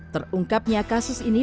terungkapnya kasus ini